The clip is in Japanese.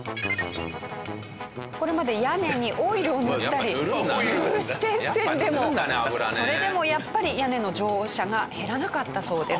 これまで屋根にオイルを塗ったり有刺鉄線でもそれでもやっぱり屋根の乗車が減らなかったそうです。